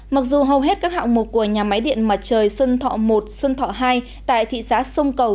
mặc dù hầu hết các hạng mục của nhà máy điện mặt trời xuân thọ một xuân thọ hai tại thị xã sông cầu